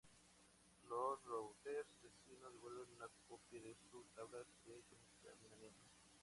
Los "routers" vecinos devuelven una copia de sus tablas de encaminamiento.